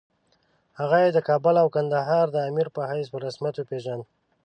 هغه یې د کابل او کندهار د امیر په حیث په رسمیت وپېژاند.